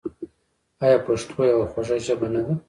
آیا پښتو یوه خوږه ژبه نه ده؟